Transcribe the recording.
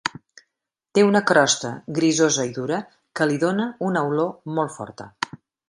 Té una crosta grisosa i dura, que li dóna una olor molt forta.